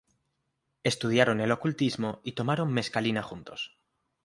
Estudiaron el ocultismo y tomaron mescalina juntos.